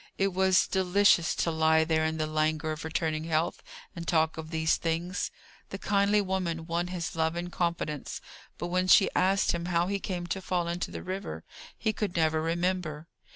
It was delicious to lie there in the languor of returning health, and talk of these things. The kindly woman won his love and confidence; but when she asked him how he came to fall into the river, he could never remember.